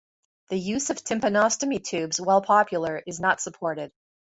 The use of tympanostomy tubes, while popular, is not supported.